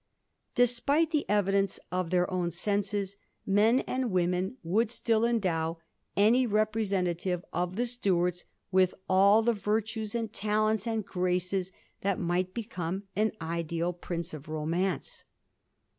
Despite the evidence of their own senses, men and women would still endow any representative of the Stuarts with aU the virtues and talents and graces that might become an ideal prince of romance.